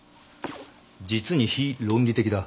実に非論理的だ。